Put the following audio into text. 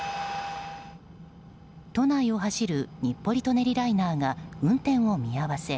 都内を走る日暮里・舎人ライナーが運転を見合わせ